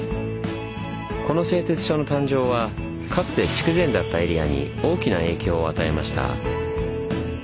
この製鐵所の誕生はかつて筑前だったエリアに大きな影響を与えました。